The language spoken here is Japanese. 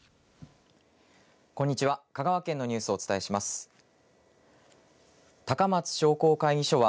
こんにちは。